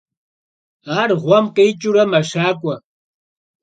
Ar ğuem khiç'ıure meşak'ue.